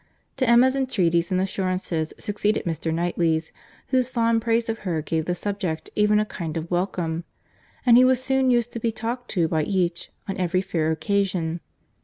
—To Emma's entreaties and assurances succeeded Mr. Knightley's, whose fond praise of her gave the subject even a kind of welcome; and he was soon used to be talked to by each, on every fair occasion.